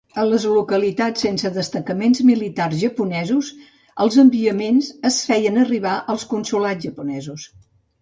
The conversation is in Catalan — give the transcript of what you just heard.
A les localitats sense destacaments militars japonesos, els enviaments es feien arribar als consolats japonesos.